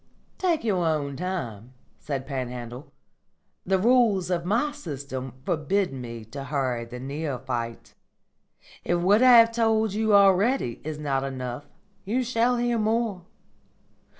"Take your own time," said Panhandle. "The rules of my system forbid me to hurry the neophyte. If what I have told you already is not enough, you shall hear more.